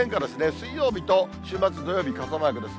水曜日と週末、土曜日、傘マークです。